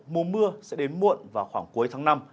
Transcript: mùa mưa sẽ đến muộn vào khoảng cuối tháng năm